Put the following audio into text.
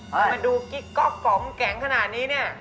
เฮ้ยมันดูกิ๊กก๊อกของมันแกงขนาดนี้เนี่ย